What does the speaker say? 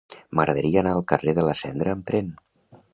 M'agradaria anar al carrer de la Cendra amb tren.